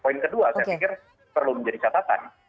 poin kedua saya pikir perlu menjadi catatan